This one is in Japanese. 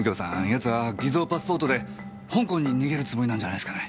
奴は偽造パスポートで香港に逃げるつもりなんじゃないすかね？